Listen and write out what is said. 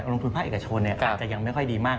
ลงทุนภาคเอกชนอาจจะยังไม่ค่อยดีมาก